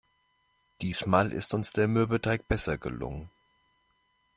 Diesmal ist uns der Mürbeteig besser gelungen.